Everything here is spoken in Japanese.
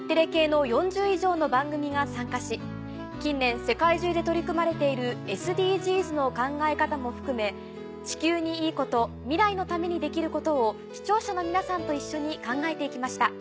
近年世界中で取り組まれているＳＤＧｓの考え方も含め地球にいいこと未来のためにできることを視聴者の皆さんと一緒に考えて行きました。